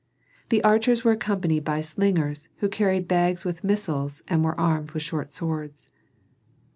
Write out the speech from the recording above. The archers were accompanied by slingers who carried bags with missiles and were armed with short swords.